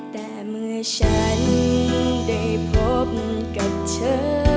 แต่เมื่อฉันได้พบกับเธอ